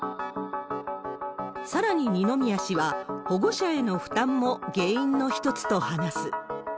さらに二宮氏は、保護者への負担も原因の一つと話す。